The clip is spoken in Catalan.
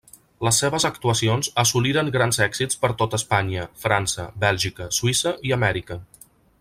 Les seves actuacions assoliren grans èxits per tota Espanya, França, Bèlgica, Suïssa i Amèrica.